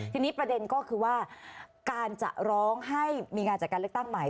ทีนี้ประเด็นก็คือว่าการจะร้องให้มีงานจัดการเลือกตั้งใหม่